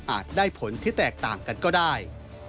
ได้ผลที่แตกต่างกันก็ได้